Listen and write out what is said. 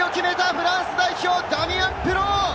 フランス代表、ダミアン・プノー。